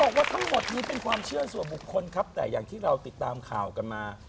บอกว่าทั้งหมดนี้เป็นความเชื่อส่วนบุคคลครับแต่อย่างที่เราติดตามข่าวกันมา